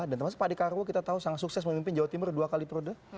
dan termasuk pak adhikarwo kita tahu sangat sukses memimpin jawa timur dua kali perode